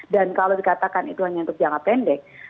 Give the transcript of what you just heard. dan kalau dikatakan itu hanya untuk jangka pendek